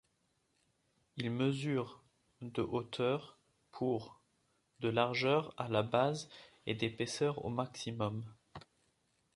Il mesure de hauteur pour de largeur à la base et d'épaisseur au maximum.